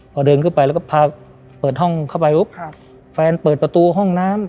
พอเดินขึ้นไปแล้วก็พาเปิดห้องเข้าไปปุ๊บแฟนเปิดประตูห้องน้ำ